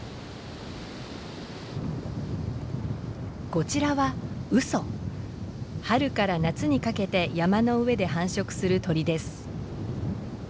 こちらは春から夏にかけて山の上で繁殖する鳥です。